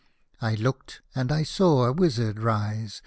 " I looked, and I saw a wizard rise.